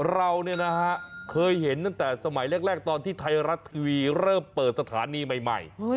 เราเคยเห็นตั้งแต่สมัยแรกตอนที่ไทยรัฐทีวีเริ่มเปิดสถานีใหม่